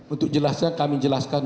untuk jelasnya kami jelaskan